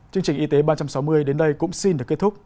chương trình y tế ba trăm sáu mươi đến đây cũng xin được kết thúc